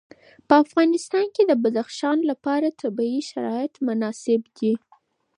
په افغانستان کې د بدخشان لپاره طبیعي شرایط مناسب دي.